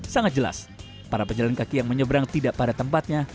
sangat jelas para pejalan kaki yang menyeberang tidak pada tempatnya